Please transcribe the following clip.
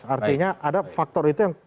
artinya ada faktor itu yang